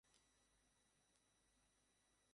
মানে আমি বেশ্যাদের মতো নিজেকে দেখাতে চাচ্ছি না।